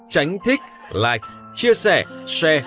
tránh thích like chia sẻ share